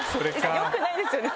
良くないですよね